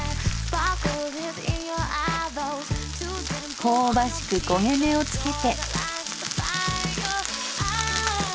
香ばしく焦げ目をつけて。